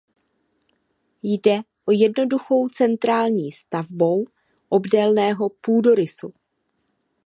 Jde o jednoduchou centrální stavbou obdélného půdorysu.